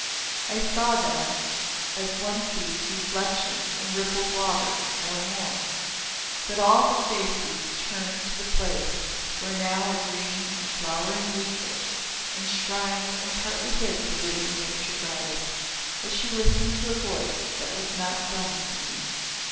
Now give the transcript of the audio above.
I saw them as one sees reflections in rippled water no more. But all faces turned to the place where now a green and flowering leafage enshrined and partly hid the living Nature Goddess, as she listened to a voice that was not dumb to me.